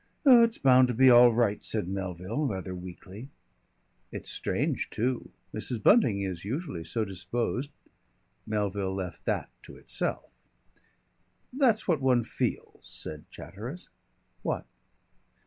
"It's bound to be all right," said Melville rather weakly. "It's strange, too. Mrs. Bunting is usually so disposed " Melville left that to itself. "That's what one feels," said Chatteris. "What?"